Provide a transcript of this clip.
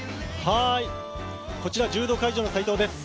こちら柔道会場の斎藤です。